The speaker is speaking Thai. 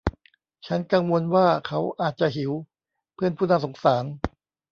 ฉันกังวลว่าเขาอาจจะหิว เพื่อนผู้น่าสงสาร